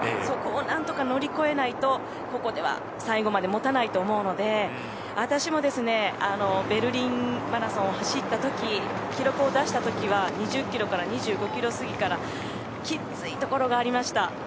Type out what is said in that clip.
そこを何とか乗り越えないとここでは最後までもたないと思うので私もベルリンマラソンを走った時記録を出した時は２０キロから２５キロ過ぎからきっついところがありました。